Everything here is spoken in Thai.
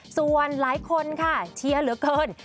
ส่วนหลายคนค่ะเชียร์เหลือเกิน